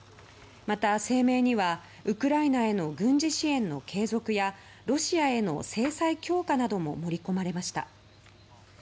また、声明にはウクライナへの軍事支援の継続やロシアへの制裁強化なども盛り込まれました。